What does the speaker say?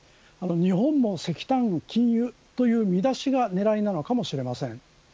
日本も石炭禁輸という見出しが狙いなのかもしれません。